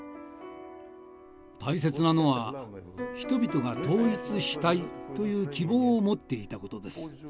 大切なのは人々が「統一したい」という希望を持っていたことです。